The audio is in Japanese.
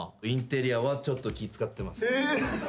インテリアはちょっと気使ってます。